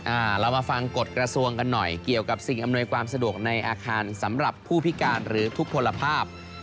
เรามาฟังกฎกระทรวงกันหน่อยเกี่ยวกับสิ่งอำนวยความสะดวกในอาคารสำหรับผู้พิการหรือทุกผลภาพ